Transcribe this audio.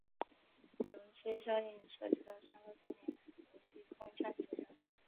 溶剂效应涉及到三个概念溶剂空腔形成。